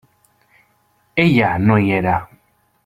Ella no hi era.